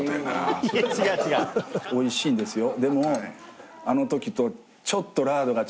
おいしいんですよでも。